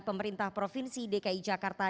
pemerintah provinsi dki jakarta